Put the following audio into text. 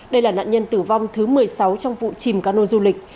đây là nạn nhân tử vong thứ một mươi sáu trong vụ chìm cano du lịch